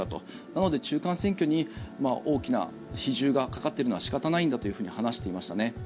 なので、中間選挙に大きな比重がかかっているのは仕方ないんだというふうに話していましたね。